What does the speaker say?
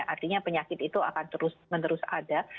artinya penyakit itu akan terus menerus ada